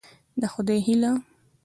د خدای هيله